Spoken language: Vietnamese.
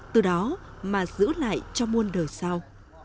từ đó mà giữ lại cho muôn đời sau